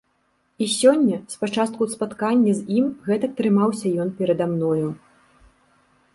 І сёння з пачатку спаткання з ім гэтак трымаўся ён перада мною.